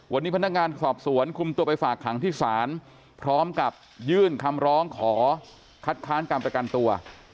วันนี้พนักงานสอบสวนคุมตัวไปฝากขังที่ศาลพร้อมกับยื่นคำร้องขอคัดค้านการประกันตัว